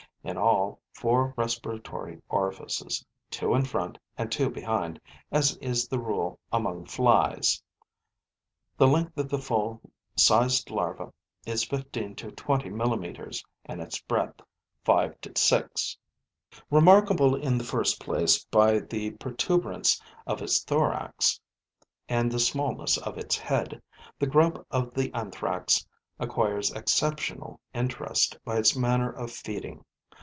In all, four respiratory orifices, two in front and two behind, as is the rule among Flies. The length of the full sized larva is 15 to 20 millimeters and its breadth 5 to 6. Remarkable in the first place by the protuberance of its thorax and the smallness of its head, the grub of the Anthrax acquires exceptional interest by its manner of feeding.